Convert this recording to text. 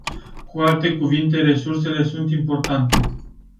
Cu alte cuvinte, resursele sunt importante.